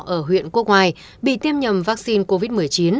ở huyện quốc ngoài bị tiêm nhầm vaccine covid một mươi chín